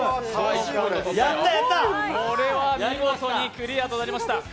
これは見事にクリアとなりました。